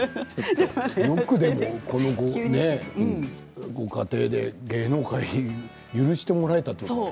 よくこのご家庭で芸能界、許してもらえましたね。